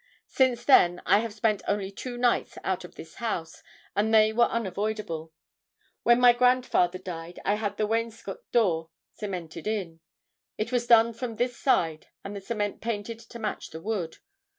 Since then I have spent only two nights out of this house, and they were unavoidable. When my grandfather died I had the wainscot door cemented in. It was done from this side and the cement painted to match the wood.